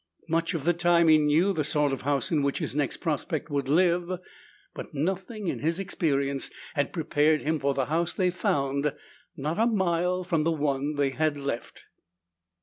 Much of the time he knew the sort of house in which his next prospect would live, but nothing in his experience had prepared him for the house they found not a mile from the one they had left.